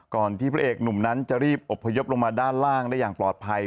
ที่พระเอกหนุ่มนั้นจะรีบอบพยพลงมาด้านล่างได้อย่างปลอดภัย